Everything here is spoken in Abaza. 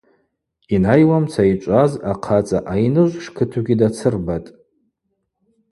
Йнайуамца йчӏваз ахъацӏа – айныжв шкытугьи дацырбатӏ.